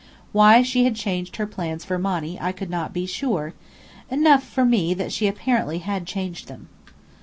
Why she had changed her plans for Monny I could not be sure; enough for me that she apparently had changed them.